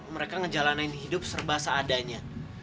mereka ngejalanin hidup serba seadanya